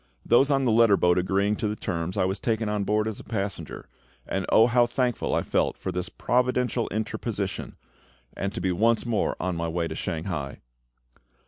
Those on the letter boat agreeing to the terms, I was taken on board as a passenger. Oh, how thankful I felt for this providential interposition, and to be once more on my way to Shanghai!